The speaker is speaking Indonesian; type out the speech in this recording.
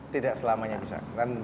tidak selamanya bisa